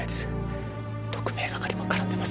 特命係も絡んでます。